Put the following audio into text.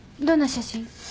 どんな写真？